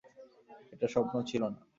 এটা স্বপ্ন ছিল না।